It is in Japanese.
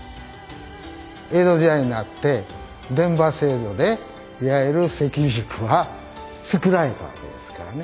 江戸時代になって伝馬制度でいわゆる関宿は作られたわけですからね。